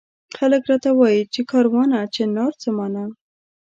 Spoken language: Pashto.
خلک راته وایي چي کاروانه چنار څه مانا؟